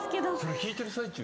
弾いてる最中も？